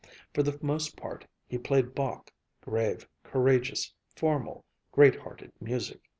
For the most part he played Bach, grave, courageous, formal, great hearted music.